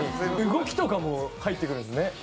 動きとかも入ってくるんですね。